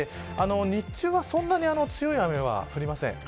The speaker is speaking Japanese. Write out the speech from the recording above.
日中はそんなに強い雨は降りません。